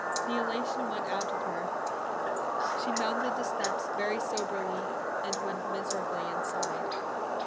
The elation went out of her; she mounted the steps very soberly, and went miserably inside.